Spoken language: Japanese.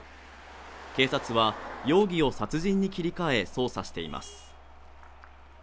警察は容疑を殺人に切り替え捜査しています